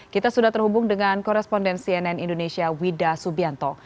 kita sudah terhubung dengan koresponden cnn indonesia wida subianto